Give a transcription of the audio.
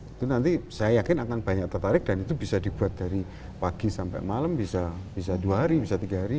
itu nanti saya yakin akan banyak tertarik dan itu bisa dibuat dari pagi sampai malam bisa dua hari bisa tiga hari